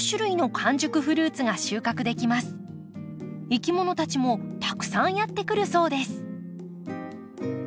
いきものたちもたくさんやって来るそうです。